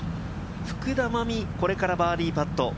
福田真未、これからバーディーパット。